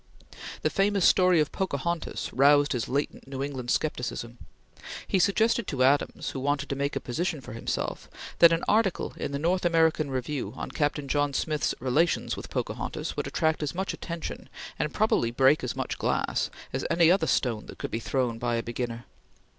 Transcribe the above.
The famous story of Pocahontas roused his latent New England scepticism. He suggested to Adams, who wanted to make a position for himself, that an article in the North American Review on Captain John Smith's relations with Pocahontas would attract as much attention, and probably break as much glass, as any other stone that could be thrown by a beginner.